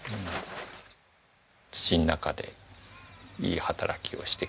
土の中でいい働きをしてくれるはず。